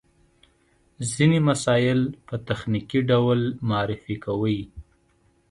ځينې مسایل په تخنیکي ډول معرفي کوي.